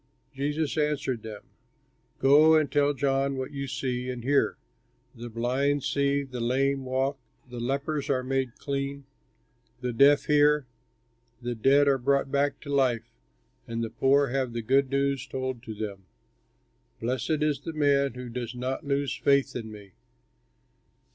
Jesus answered them, "Go and tell John what you see and hear: the blind see, the lame walk, the lepers are made clean, the deaf hear, the dead are brought back to life, and the poor have the good news told to them. Blessed is the man who does not lose faith in me."